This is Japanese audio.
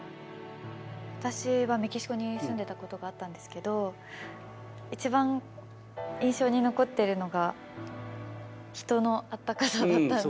私はメキシコに住んでたことがあったんですけど一番印象に残ってるのが人のあったかさだったんです。